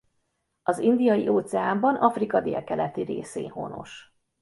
Az Indiai-óceánban Afrika délkeleti részén honos.